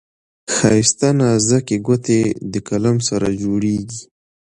ښايسته نازكي ګوتې دې قلم سره جوړیږي.